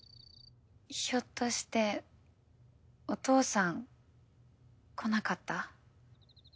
ひょっとしてお父さん来なかった？